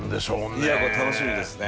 いやこれ楽しみですね。